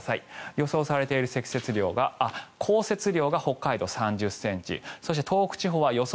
予想されている降雪量が北海道３０ｃｍそして東北地方は予想